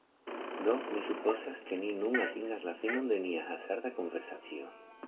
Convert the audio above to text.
Do, mi supozas, ke ni nun atingas la finon de nia hazarda konversacio.